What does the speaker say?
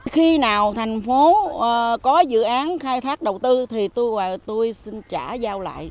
khi nào thành phố có dự án khai thác đầu tư thì tôi xin trả giao lại